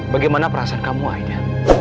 bagaimana perasaan kamu aida